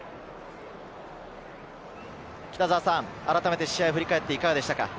北澤さん、あらためて試合を振り返っていかがでしたか？